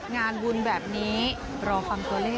งานบุญแบบนี้รอฟังตัวเลข